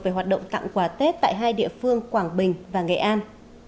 về hoạt động tặng quà tết tại hai địa phương quảng bình và nghệ an